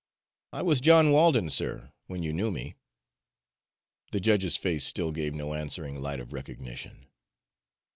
"I was John Walden, sir, when you knew me." The judge's face still gave no answering light of recognition.